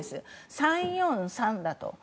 ３、４、３だと。